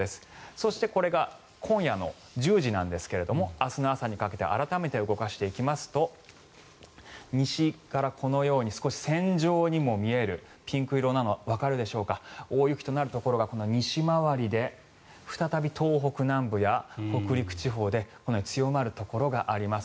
そして、これが今夜の１０時なんですが明日の朝にかけて改めて動かしていきますと西から、このように少し線状にも見えるピンク色なのがわかるでしょうか大雪となるところが西回りで再び東北南部や北陸地方で強まるところがあります。